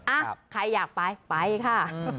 อ่ะใครอยากไปไปค่ะ